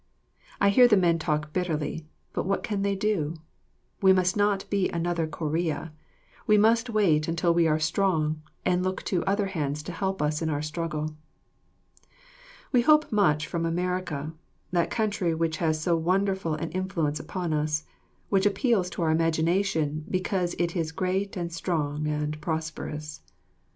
I hear the men talk bitterly; but what can they do. We must not be another Corea; we must wait until we are strong, and look to other hands to help us in our struggle. We hope much from America, that country which has so wonderful an influence upon us, which appeals to our imagination because it is great and strong and prosperous.